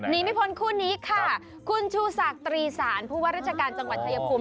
นิมิพลคู่นี้ค่ะคุณชูศักดิ์ตรีศาลผู้ว่าราชการจังหวัดไทยภูมิ